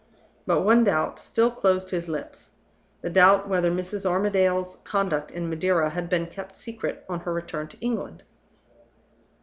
But one doubt still closed his lips the doubt whether Mrs. Armadale's conduct in Madeira had been kept secret on her return to England.